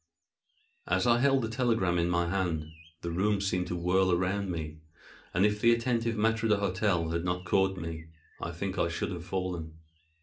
As I held the telegram in my hand, the room seemed to whirl around me; and, if the attentive maître d'hôtel had not caught me, I think I should have fallen.